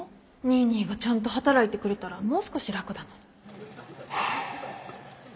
ニーニーがちゃんと働いてくれたらもう少し楽だのに。